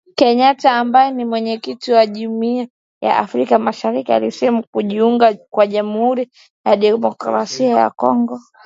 Kenyatta ambaye ni Mwenyekiti wa Jumuiya ya Afrika Mashariki alisema kujiunga kwa Jamhuri ya Kidemokrasia ya Kongo